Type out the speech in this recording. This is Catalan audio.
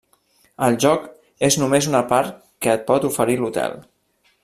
El joc és només una part que et pot oferir l'hotel.